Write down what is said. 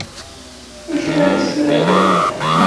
D acu ara sen-rreɣ?